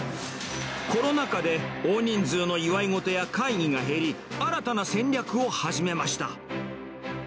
コロナ禍で大人数の祝い事や会議が減り、新たな戦略を始めました。